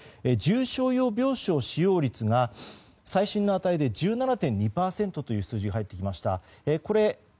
重症用病床使用率が最新の値で１７．２％という数字が入ってきました。